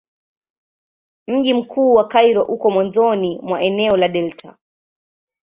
Mji mkuu wa Kairo uko mwanzoni mwa eneo la delta.